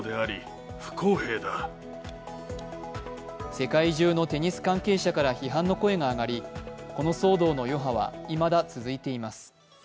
世界中のテニス関係者から批判の声が上がりこの騒動の余波はいまだ続いています。